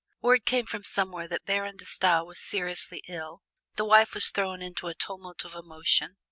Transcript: Word came from somewhere that Baron De Stael was seriously ill. The wife was thrown into a tumult of emotion.